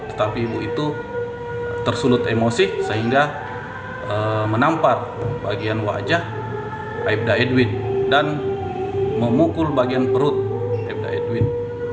tetapi ibu itu tersulut emosi sehingga menampar bagian wajah aibda edwin dan memukul bagian perut ibda edwin